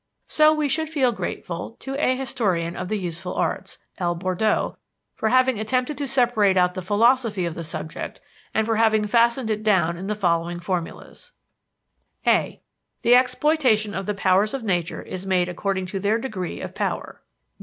So we should feel grateful to a historian of the useful arts, L. Bourdeau, for having attempted to separate out the philosophy of the subject, and for having fastened it down in the following formulas: (a) The exploitation of the powers of nature is made according to their degree of power.